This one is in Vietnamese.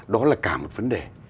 đó là cả một vấn đề